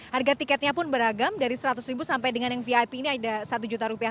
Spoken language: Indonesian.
harga tiketnya pun beragam dari seratus ribu sampai dengan yang vip ini ada satu juta rupiah